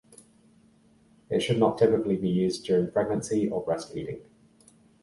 It should not typically be used during pregnancy or breastfeeding.